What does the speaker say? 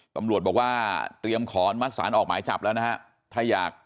ตำรวจบอกว่าเตรียมขอมัดสารออกหมายจับแล้วนะฮะ